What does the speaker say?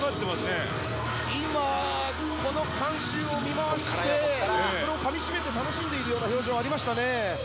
今この観衆を見回してそれをかみしめて楽しんでいる表情ありましたね。